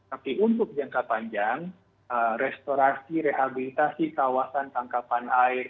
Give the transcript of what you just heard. tapi untuk jangka panjang restorasi rehabilitasi kawasan tangkapan air